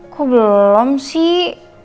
kok belum sih